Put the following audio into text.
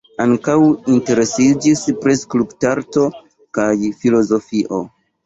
Ankaŭ interesiĝis pri skulptarto kaj filozofio.